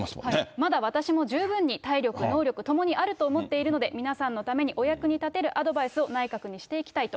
まだ私も、十分に体力、能力ともにあると思っているので、皆さんのためにお役に立てるアドバイスを内閣にしていきたいと。